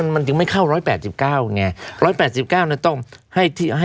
มันจึงไม่เข้า๑๘๙ไง